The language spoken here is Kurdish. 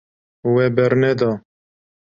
We berneda.